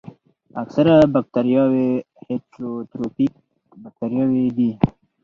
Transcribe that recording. اکثره باکتریاوې هیټروټروفیک باکتریاوې دي.